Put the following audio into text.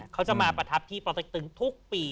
เขาจะมาประทับที่ปเต็กตึงทุกปี